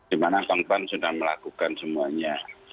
dimana pan pan sudah melakukan semuanya